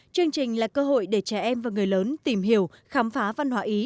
chương trình là cơ hội để trẻ em và người lớn tìm hiểu khám phá văn hóa ý